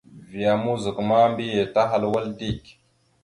Vya mouzak ma mbiyez tahal wal dik.